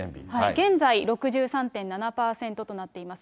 現在６３．７％となっています。